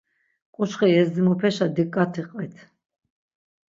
K̆uçxe yezdimupeşa dikkati qvit.